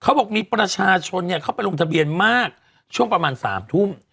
บอกมีประชาชนเข้าไปลงทะเบียนมากช่วงประมาณ๓ทุ่ม